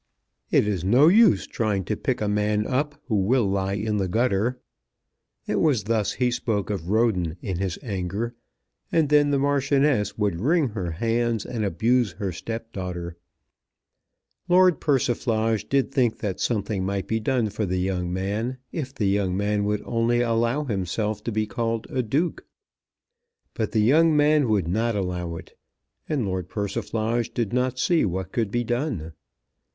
"It is no use trying to pick a man up who will lie in the gutter." It was thus he spoke of Roden in his anger; and then the Marchioness would wring her hands and abuse her stepdaughter. Lord Persiflage did think that something might be done for the young man if the young man would only allow himself to be called a Duke. But the young man would not allow it, and Lord Persiflage did not see what could be done.